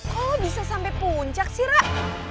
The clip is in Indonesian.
kok lo bisa sampai puncak sih rak